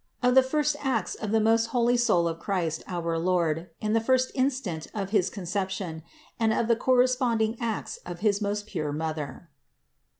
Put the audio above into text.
OF THE FIRST ACTS OF THE MOST HOLY SOUL OF CHRIST OUR LORD IN THE FIRST INSTANT OF HIS CONCEPTION AND OF THE CORRESPONDING ACTS OF HIS MOST PURE MOTHER.